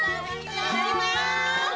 いただきます。